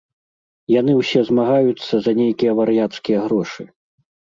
Яны ўсе змагаюцца за нейкія вар'яцкія грошы.